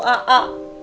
sopi benci sama atu